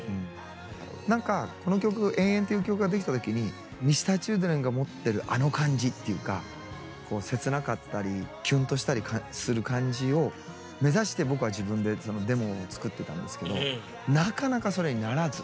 何かこの曲「永遠」っていう曲が出来た時にＭｒ．Ｃｈｉｌｄｒｅｎが持ってるあの感じっていうか切なかったりキュンとしたりする感じを目指して僕は自分でそのデモを作ってたんですけどなかなかそれにならず。